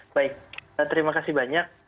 baik terima kasih banyak